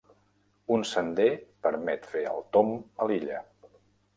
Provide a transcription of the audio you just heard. Un sender permet fer el tomb a l'illa.